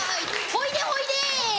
「ほいでほいで⁉」。